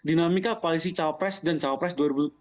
dinamika koalisi cawapres dan cawapres